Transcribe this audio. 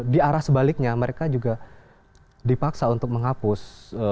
di arah sebaliknya mereka juga dipaksa untuk menghapus